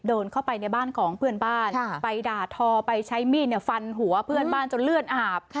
เดินเข้าไปในบ้านของเพื่อนบ้านไปด่าทอไปใช้มีดฟันหัวเพื่อนบ้านจนเลือดอาบ